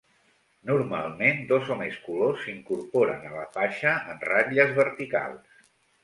Normalment dos o més colors s"incorporen a la faixa, en ratlles verticals.